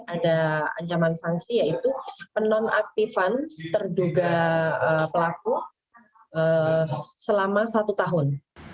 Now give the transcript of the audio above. ada ancaman sanksi yaitu penonaktifan terduga pelaku selama satu tahun